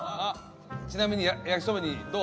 ちなみに焼きそばにどう？